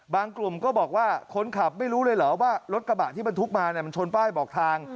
กลุ่มก็บอกว่าคนขับไม่รู้เลยเหรอว่ารถกระบะที่บรรทุกมามันชนป้ายบอกทาง